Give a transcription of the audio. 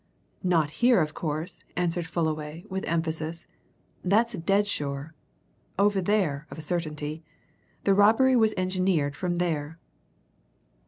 "Not here, of course!" answered Fullaway, with emphasis. "That's dead sure. Over there, of a certainty. The robbery was engineered from there."